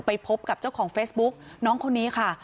พบกับเจ้าของเฟซบุ๊กน้องคนนี้ค่ะ